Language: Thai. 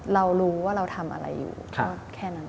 เรารู้ว่าเราทำอะไรอยู่ก็แค่นั้น